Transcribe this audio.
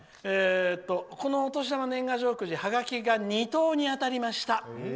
「このお年玉年賀状くじハガキが２等に当たりました」。